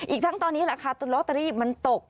อีกทั้งตอนนี้ราคาลอตเตอรี่มันตก